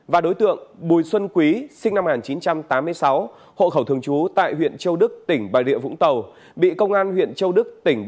và tới đây bản tin nhanh chín h cũng xin đến kết thúc